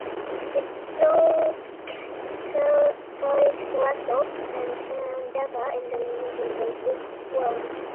It stars Keri Russell and Kaitlyn Dever in the leading voice roles.